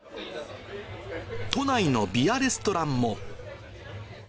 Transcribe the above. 都内のビアレストランも。